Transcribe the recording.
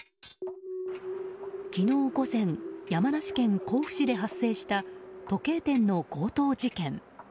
昨日午前山梨県甲府市で発生した時計店の強盗事件。